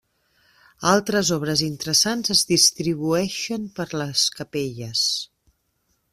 Altres obres interessants es distribueixen per les capelles.